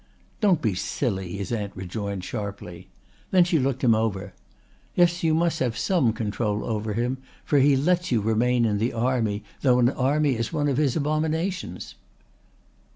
"Don't be silly," his aunt rejoined sharply. Then she looked him over. "Yes, you must have some control over him, for he lets you remain in the army, though an army is one of his abominations."